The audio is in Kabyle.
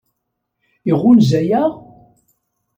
Iɣunza-yaɣ?